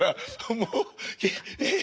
もうええ？